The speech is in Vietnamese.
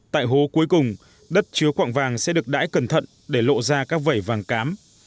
tại hố cuối cùng đất chứa quạng vàng sẽ được đãi cẩn thận để lộ ra các vẩy vàng cám